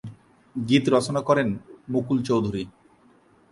গীত রচনা করেন মুকুল চৌধুরী।